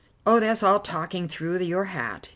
"Oh, that's all talking through your hat.